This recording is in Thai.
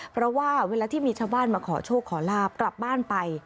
เพราะว่าเวลาที่มีชาวบ้านมาขอโชคขอลาบกลับบ้านไป